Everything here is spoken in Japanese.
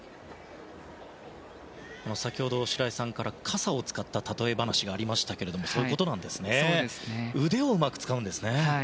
先ほど白井さんから傘を使ったたとえ話がありましたがそういうことなんですね。